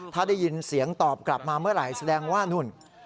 ถ้าได้ยินเสียงตอบกลับมาเมื่อไหร่แสดงว่านู่น